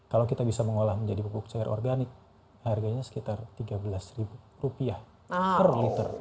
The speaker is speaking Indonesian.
kalau kita bisa mengolah menjadi pupuk cair organik harganya sekitar rp tiga belas rupiah per liter